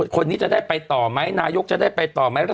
คนนี้จะได้ไปต่อไหม